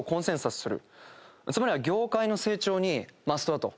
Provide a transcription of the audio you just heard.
つまりは業界の成長にマストだと。